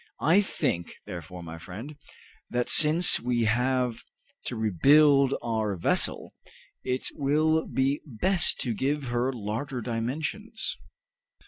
"I think, therefore, my friend, that since we have to rebuild our vessel it will be best to give her larger dimensions.